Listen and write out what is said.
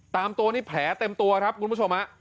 ตามตัวนี่แผลเต็มตัวครับคุณผู้ชมฮะ